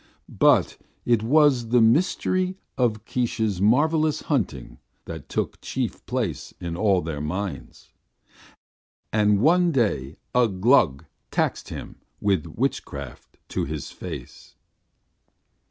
But it was the mystery of Keesh's marvellous hunting that took chief place in all their minds. And one day Ugh Gluk taxed him with witchcraft to his face.